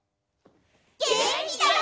げんきだよ！